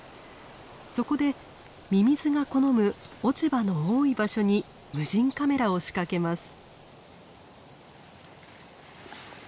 そこでミミズが好む落ち葉の多い場所に無人カメラを仕掛けます。